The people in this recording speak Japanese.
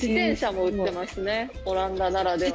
オランダならでは。